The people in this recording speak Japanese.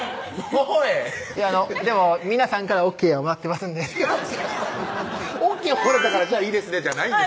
でも皆さんからＯＫをもらってますんで違う違う「ＯＫとれたからいいですね」じゃないんです